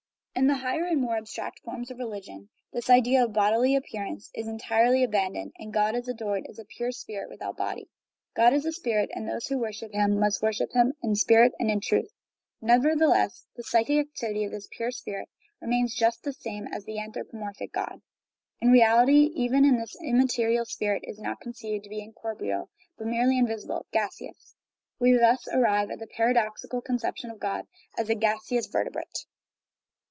In the higher and more abstract forms of religion this idea of bodily appearance is entirely abandoned, and God is adored as a "pure spirit" without a body. "God is a spirit, and they who worship him must worship him in spirit and in truth." Nevertheless, the psychic activity of this "pure spirit" remains just the same as that of the anthropomorphic God. In real ity, even this immaterial spirit is not conceived to be incorporeal, but merely invisible, gaseous. We thus arrive at the paradoxical conception of God as a gaseous vertebrate.